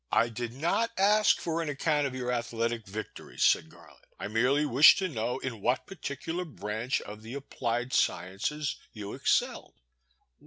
I did not ask for an account of your athletic victories/* said Garland, I merely wished to know in what particular branch of the applied sciences you excelled.